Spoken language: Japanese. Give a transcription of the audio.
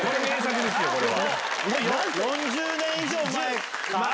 ４０年以上前か？